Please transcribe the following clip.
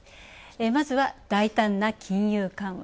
まずは大胆な金融緩和。